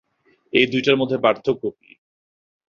এই দুইটার মধ্যে পার্থক্য কী?